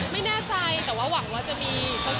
ไม่แน่ใจแต่ว่าหวังว่าจะมี